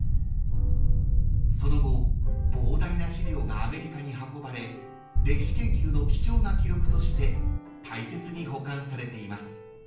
［その後膨大な資料がアメリカに運ばれ歴史研究の貴重な記録として大切に保管されています］